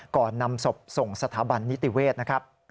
ก่อนนำศพส่งสถาบันนิติเวศนะครับ